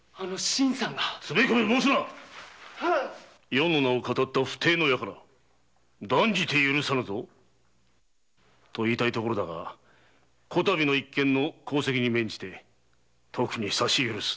余の名をかたったフテイなやから断じて許さぬぞと言いたいとこだがこ度の一件の功績に免じ特にさし許す。